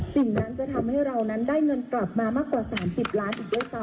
สิ่งนั้นจะทำให้เรานั้นได้เงินกลับมามากกว่า๓๐ล้านอีกด้วยซ้ำ